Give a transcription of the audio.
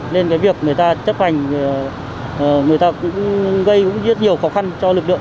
nên cái việc người ta chấp hành người ta cũng gây cũng rất nhiều khó khăn cho lực lượng